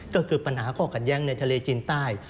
ก็คือปัญหาข้อขัดแย้งในทะเลจีนใต้